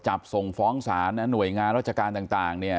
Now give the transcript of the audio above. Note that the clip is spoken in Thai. ส่งฟ้องศาลนะหน่วยงานราชการต่างเนี่ย